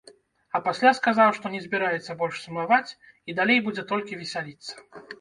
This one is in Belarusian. А пасля сказаў, што не збіраецца больш сумаваць і далей будзе толькі весяліцца.